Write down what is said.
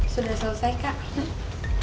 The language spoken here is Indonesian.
sudah selesai kak